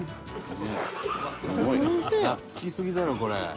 「がっつきすぎだろこれ」